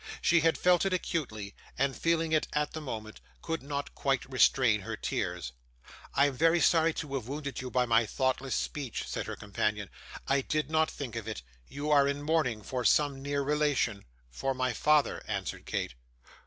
She had felt it acutely, and feeling it at the moment, could not quite restrain her tears. 'I am very sorry to have wounded you by my thoughtless speech,' said her companion. 'I did not think of it. You are in mourning for some near relation?' 'For my father,' answered Kate.